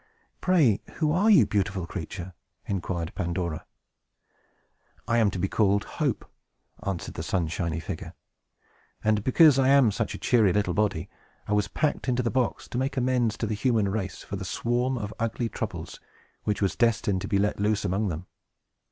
"Pray, who are you, beautiful creature?" inquired Pandora. "I am to be called Hope!" answered the sunshiny figure. "And because I am such a cheery little body, I was packed into the box, to make amends to the human race for that swarm of ugly Troubles, which was destined to be let loose among them.